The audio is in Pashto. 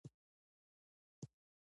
هر څه ثبت ته اړ شول.